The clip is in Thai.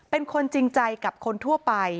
เป็นคนจริงใจกับคนทั่วไป